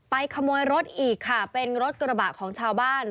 ขโมยรถอีกค่ะเป็นรถกระบะของชาวบ้าน